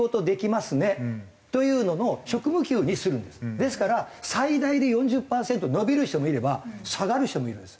ですから最大で４０パーセント伸びる人もいれば下がる人もいるんです。